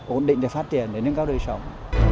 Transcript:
ổn định để phát triển để nâng cao đời sống